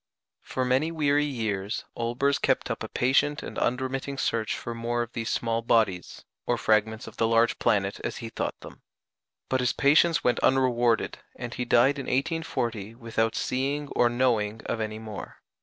For many weary years Olbers kept up a patient and unremitting search for more of these small bodies, or fragments of the large planet as he thought them; but his patience went unrewarded, and he died in 1840 without seeing or knowing of any more.